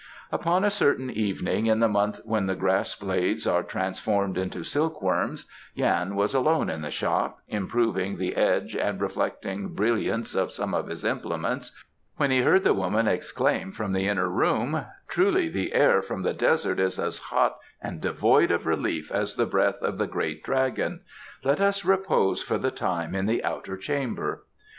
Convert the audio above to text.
Upon a certain evening in the month when the grass blades are transformed into silk worms Yan was alone in the shop, improving the edge and reflecting brilliance of some of his implements, when he heard the woman exclaim from the inner room: "Truly the air from the desert is as hot and devoid of relief as the breath of the Great Dragon. Let us repose for the time in the outer chamber."